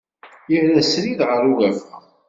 Yerra srid ɣer ugafa.